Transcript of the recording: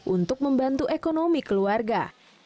untuk membantu ekonomi keluarga